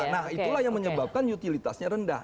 nah itulah yang menyebabkan utilitasnya rendah